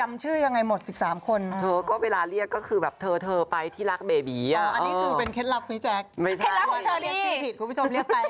ไม่ใช่คุณผู้ชมเรียกไปเชอรี่เคล็ดลับของเชอรี่